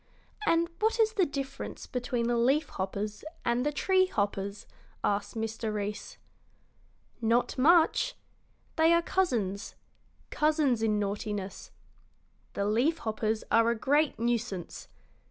"And what is the difference between the leaf hoppers and the tree hoppers?" asked Mr. Reece. "Not much. They are cousins cousins in naughtiness. The leaf hoppers are a great nuisance.